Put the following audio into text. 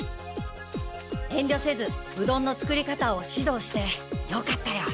えんりょせずうどんの作り方を指導してよかったよ。